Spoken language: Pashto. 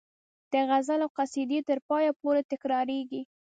د غزل او قصیدې تر پایه پورې تکراریږي.